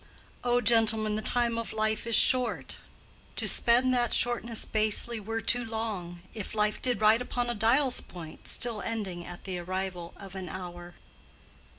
"O gentlemen, the time of life is short; To spend that shortness basely were too long, If life did ride upon a dial's point, Still ending at the arrival of an hour."